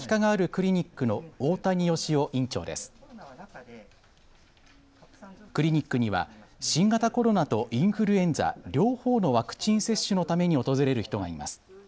クリニックには新型コロナとインフルエンザ両方のワクチン接種のために訪れる人がいます。